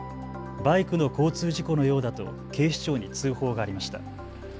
バイクの交通事故のようだと警視庁に通報がありました。